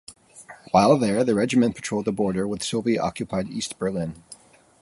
While there, the regiment patrolled the border with Soviet occupied East Berlin.